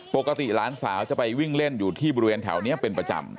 ปกติหลานสาวจะไปวิ่งเล่นอยู่ที่บริเวณแถวนี้เป็นประจำ